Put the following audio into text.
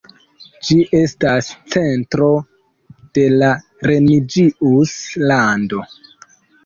Ĝi estas centro de la Remigius-lando.